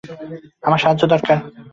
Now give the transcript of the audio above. আমার সাহায্য দরকার।